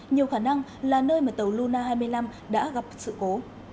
nhiều khả năng là nơi mà tàu luna hai mươi năm đã gặp sự cố